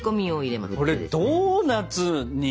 これドーナツに。